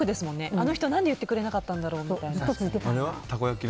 あの人なんで言ってくれなかったんだろうって。